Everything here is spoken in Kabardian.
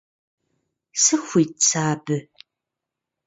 Сыхуит сэ абы?